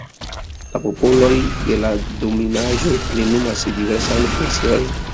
La popoloj de la dominaĵo plenumas diversajn funkciojn.